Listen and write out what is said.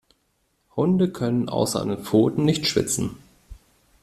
Hunde können außer an den Pfoten nicht schwitzen.